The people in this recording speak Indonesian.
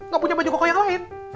gak punya baju koko yang lain